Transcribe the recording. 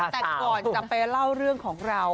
แต่ก่อนจะไปเล่าเรื่องของเรา